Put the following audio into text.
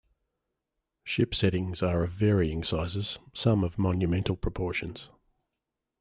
Ship settings are of varying sizes, some of monumental proportions.